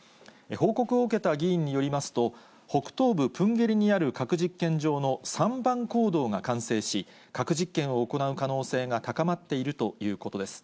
報告を受けた議員によりますと、北東部プンゲリにある核実験場の３番坑道が完成し、核実験を行う可能性が高まっているということです。